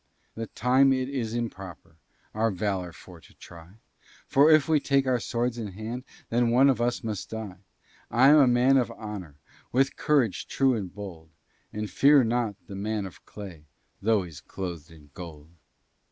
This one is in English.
"The time it is improper Our valor for to try, For if we take our swords in hand, Then one of us must die; I am a man of honor, With courage true and bold, And I fear not the man of clay, Although he's cloth'd in gold."